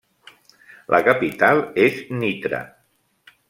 La capital és Nitra.